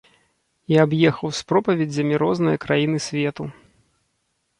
І аб'ехаў з пропаведзямі розныя краіны свету.